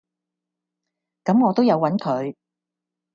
咁我都有搵佢